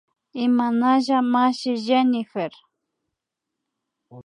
Imanalla mashi Jenyfer